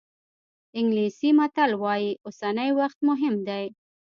انګلیسي متل وایي اوسنی وخت مهم دی.